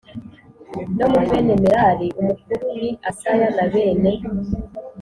No muri bene Merari umukuru ni Asaya na bene